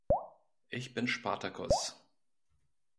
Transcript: Ich bin Spartakus!